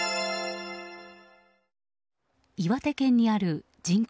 岩手県にある人口